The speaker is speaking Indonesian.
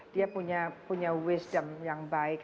dia punya wisdom yang baik